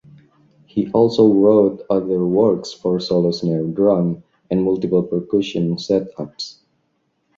He also wrote other works for solo snare drum and multiple percussion setups.